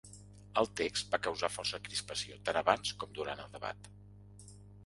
El text va causar força crispació tant abans com durant el debat.